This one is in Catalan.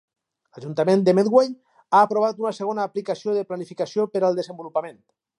L'Ajuntament de Medway ha aprovat una segona aplicació de planificació per al desenvolupament.